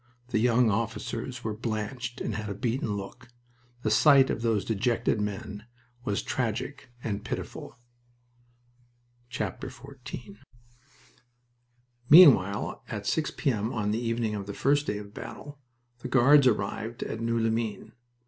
The young officers were blanched and had a beaten look. The sight of those dejected men was tragic and pitiful. XIV Meanwhile, at 6 P.M. on the evening of the first day of battle, the Guards arrived at Noeux les Mines.